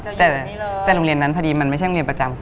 อ๋อจะอยู่ที่นี่เลยแต่โรงเรียนนั้นพอดีมันไม่ใช่โรงเรียนประจำ